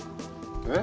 えっ？